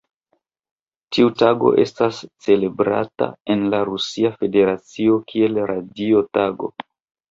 Tiu tago estas celebrata en la Rusia Federacio kiel Radio Tago.